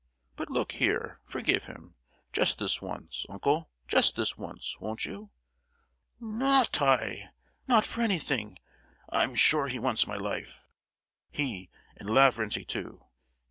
But look here—forgive him, just this once, uncle; just this once, won't you?" "N—not I! Not for anything! I'm sure he wants my life, he and Lavrenty too.